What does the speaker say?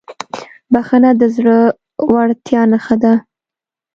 بښنه د زړهورتیا نښه ده.